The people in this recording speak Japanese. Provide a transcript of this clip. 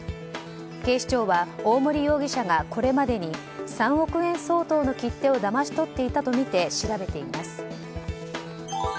警視庁は大森容疑者がこれまでに３億円相当の切手をだまし取っていたとみて調べています。